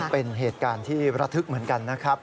เป็นเหตุการณ์ที่ระทึกเหมือนกันนะครับ